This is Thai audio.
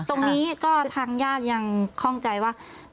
ตรงนี้ก็ทางญาติยังคล่องใจว่า